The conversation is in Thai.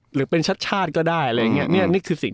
หรือเป็นชาติชาติก็ได้อะไรอย่างเงี้ยนี่คือสิ่ง